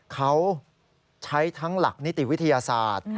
เขาใช้ทั้งหลักนิติวิทยาศาสตร์